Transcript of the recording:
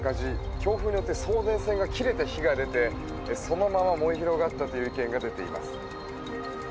強風によって送電線が切れて火が出て、そのまま燃え広がったという意見が出ています。